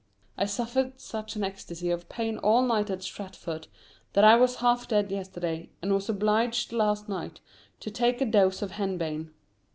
I suffered such an ecstasy of pain all night at Stratford that I was half dead yesterday, and was obliged last night to take a dose of henbane.